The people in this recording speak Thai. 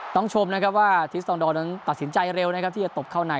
ชมนะครับว่าทิสตองดอร์นั้นตัดสินใจเร็วนะครับที่จะตบเข้าใน